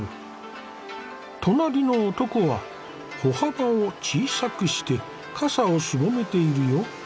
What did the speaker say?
隣の男は歩幅を小さくして傘をすぼめているよ。